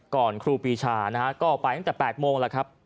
ก่อนครูปีชาก็ไปตั้งแต่๘โมงแล้วครับ